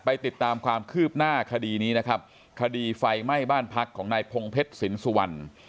ติดตามความคืบหน้าคดีนี้นะครับคดีไฟไหม้บ้านพักของนายพงเพชรสินสุวรรณ